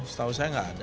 setahu saya tidak ada